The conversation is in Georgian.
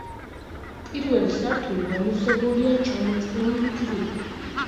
პირველი სართული ამოვსებულია ჩამოცვენილი ქვით.